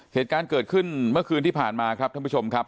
เหตุการณ์เกิดขึ้นเมื่อคืนที่ผ่านมาครับท่านผู้ชมครับ